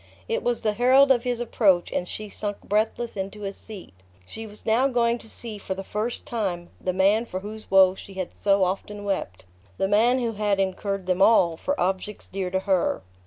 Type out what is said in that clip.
It was the herald of his approach, and she sunk breathless into a seat. She was now going to see for the first time the man for whose woes she had so often wept; the man who had incurred them all for objects dear to her.